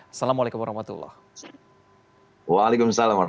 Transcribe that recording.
assalamualaikum wr wb